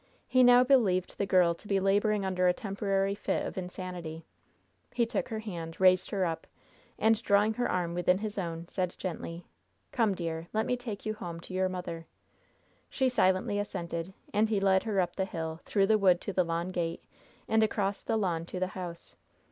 He now believed the girl to be laboring under a temporary fit of insanity. He took her hand, raised her up, and drawing her arm within his own, said, gently: "Come, dear, let me take you home to your mother." She silently assented, and he led her up the hill, through the wood to the lawn gate, and across the lawn to the house.